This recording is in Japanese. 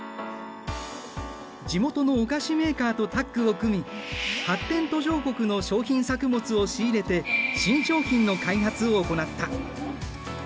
地元のお菓子メーカーとタッグを組み発展途上国の商品作物を仕入れて新商品の開発を行った。